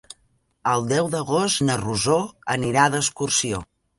El deu d'agost na Rosó anirà d'excursió.